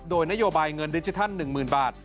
โดยนโยบายเงินดิจิทัล๑๐๐๐บาท